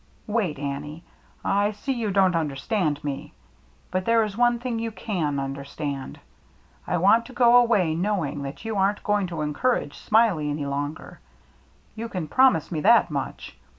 " Wait, Annie. I see you don't understand me. But there is one thing you can under stand. I want to go away knowing that you aren't going to encourage Smiley any longer. AT THE HOUSE ON STILTS 87 You can promise me that much.